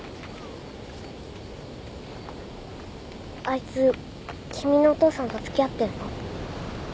あいつ君のお父さんとつきあってんの？